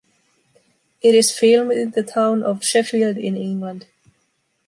It is filmed in the town of Sheffield in England.